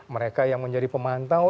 mereka yang menjadi pemantau